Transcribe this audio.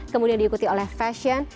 kemudian diikuti oleh fashion